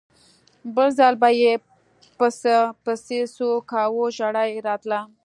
بل ځل به یې پسه پسې څو کاوه ژړا یې راتله.